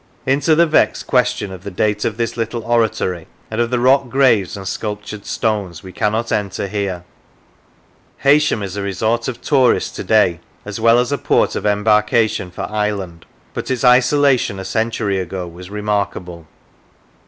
Into the vexed question of the date of this little oratory and of the rock graves and sculptured stones we cannot enter here. Heysham is a resort of tourists to day as well as a port of embarkation for Ireland, but its isolation a century ago was remarkable.